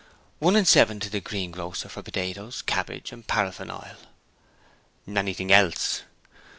'One and seven to the greengrocer for potatoes, cabbage, and paraffin oil.' 'Anything else?'